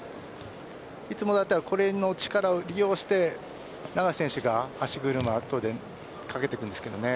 いつもだったらこの力を利用して永瀬選手が足車、かけてくるんですけどね。